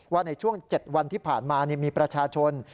ว่าในช่วง๗วันที่ผ่านมามีประชาชน